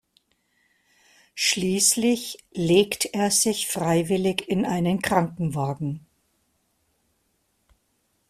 Schließlich legt er sich freiwillig in einen Krankenwagen.